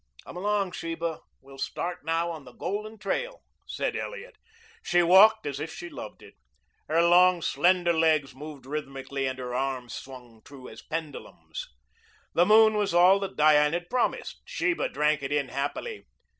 "Come along, Sheba. We'll start now on the golden trail," said Elliot. She walked as if she loved it. Her long, slender legs moved rhythmically and her arms swung true as pendulums. The moon was all that Diane had promised. Sheba drank it in happily.